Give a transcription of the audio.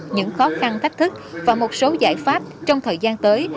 những khó khăn thách thức và một số giải pháp trong thời gian tới